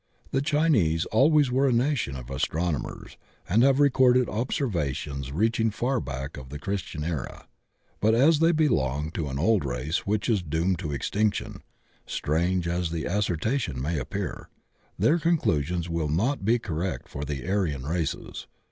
The Chinese always were a nation of astronomers, and have recorded observations reaching far back of the Christian era, but as they belong to an old race which is doomed to extinction — strange as the asser tion may appear — ^their conclusions will not be correct for the Aryan races.